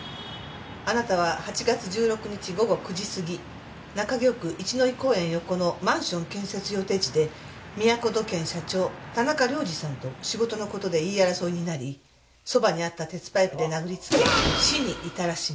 あなたは８月１６日午後９時過ぎ中京区一ノ井公園横のマンション建設予定地でみやこ土建社長田中良次さんと仕事の事で言い争いになりそばにあった鉄パイプで殴りつけ死に至らしめた。